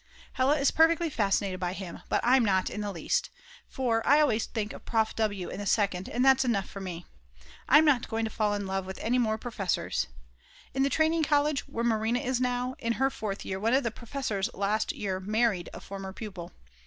Hella is perfectly fascinated by him, but I'm not in the least. For I always think of Prof. W. in the Second, and that's enough for me. I'm not going to fall in love with any more professors. In the Training College, where Marina is now, in her fourth year one of the professors last year married a former pupil.